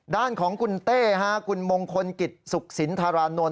ด้านของคุณเต้คุณมงคลกิจสุขสินธารานนท์